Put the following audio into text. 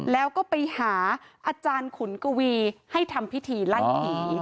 แล้วก็ไปหาอาจารย์ขุนกวีให้ทำพิธีไล่ผี